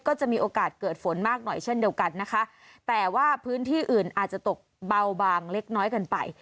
ก็จะมีโอกาสเกิดฝนมากหน่อยเช่นเดียวกันนะคะแต่ว่าพื้นที่อื่นอาจจะตกเบาบางเล็กน้อยเกินไป